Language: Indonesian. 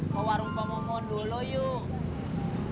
ke warung pemomong dulu yuk